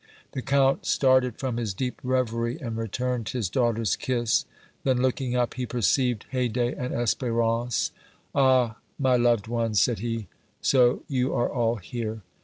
The Count started from his deep reverie and returned his daughter's kiss; then, looking up, he perceived Haydée and Espérance. "Ah! my loved ones," said he, "so you are all here!"